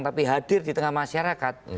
tapi hadir di tengah masyarakat